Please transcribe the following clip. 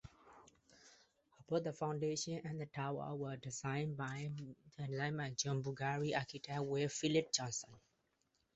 Both the fountain and tower were designed by John Burgee Architects with Philip Johnson.